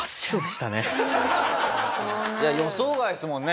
いや予想外ですもんね